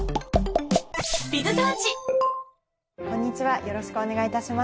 こんにちはよろしくお願いいたします。